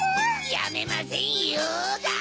やめませんよだ！